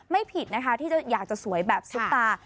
ผิดนะคะที่อยากจะสวยแบบซุปตา